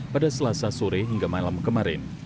pada selasa sore hingga malam kemarin